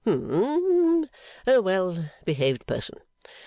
Hum. A well behaved person.